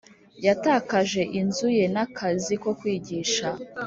yatakaje inzu ye n akazi ko kwigisha .